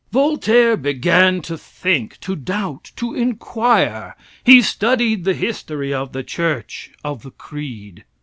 Voltaire began to think, to doubt, to inquire. He studied the history of the church of the creed.